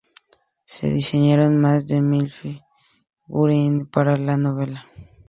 Se diseñaron más de mil figurines para la novela.